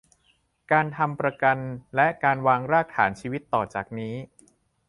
การทำประกันและการวางรากฐานชีวิตต่อจากนี้